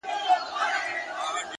علم د ژوند معنا ژوروي’